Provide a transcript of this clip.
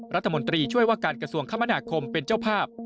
รัฐมนตรีช่วยว่าการกระทรวงคมนาคมเป็นเจ้าภาพ